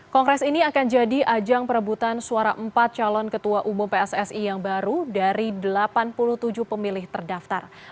kongres ini akan jadi ajang perebutan suara empat calon ketua umum pssi yang baru dari delapan puluh tujuh pemilih terdaftar